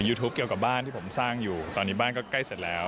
ยูทูปเกี่ยวกับบ้านที่ผมสร้างอยู่ตอนนี้บ้านก็ใกล้เสร็จแล้ว